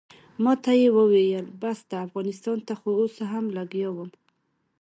ماته یې وویل بس ده افغانستان ته خو اوس هم لګیا وم.